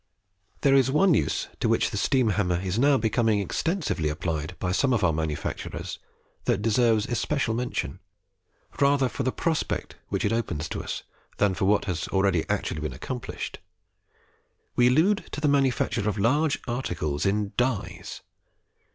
There is one use to which the steam hammer is now becoming extensively applied by some of our manufacturers that deserves especial mention, rather for the prospect which it opens to us than for what has already been actually accomplished. We allude to the manufacture of large articles in DIES.